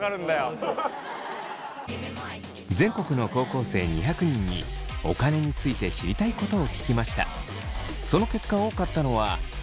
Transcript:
全国の高校生２００人にお金について知りたいことを聞きました。